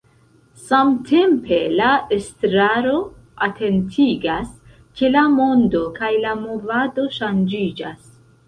Samtempe la estraro atentigas, ke la mondo kaj la movado ŝanĝiĝas.